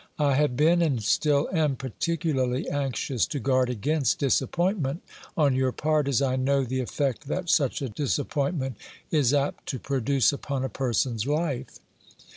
I have been, and still am, particularly anxious to guard against disappointment on your part, as I know the effect that such a disappointment is apt to produce upon a person's life.